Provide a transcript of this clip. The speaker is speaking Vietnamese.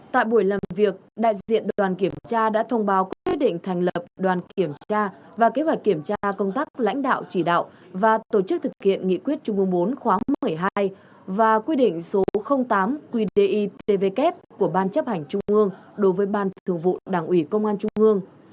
tại buổi làm việc đại diện đoàn kiểm tra đã thông báo quyết định thành lập đoàn kiểm tra và kế hoạch kiểm tra công tác lãnh đạo chỉ đạo và tổ chức thực hiện nghị quyết trung ương bốn khóa một mươi hai và quy định số tám qditvk của ban chấp hành trung ương đối với ban thường vụ đảng ủy công an trung ương